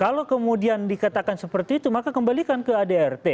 kalau kemudian dikatakan seperti itu maka kembalikan ke adrt